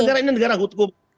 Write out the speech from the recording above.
karena ini negara hukum